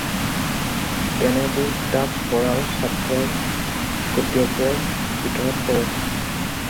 তেনেবোৰ কিতাপ পঢ়াও ছাত্ৰৰ কৰ্তব্যৰ ভিতৰত পৰে।